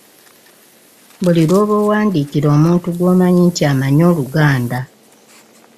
Buli lw'oba owandiikira omuntu gw'omanyi nti amanyi Oluganda.